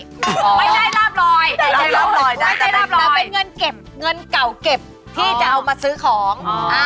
มันเป็นเงินเก็บเงินเก่าเก็บที่จะเอามาซื้อของ